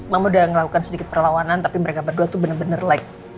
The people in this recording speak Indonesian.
mama udah ngelakukan sedikit perlawanan tapi mereka berdua tuh bener bener like